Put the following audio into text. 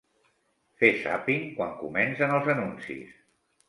Fer zàping quan comencen els anuncis.